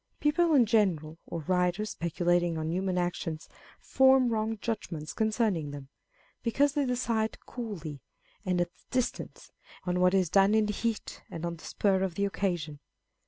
People in general, or writers speculating on human actions, form wrong judgments concerning them, because they decide coolly, and at a distance, on what is done in heat and on the spur of the occasion.